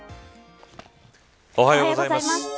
おはようございます。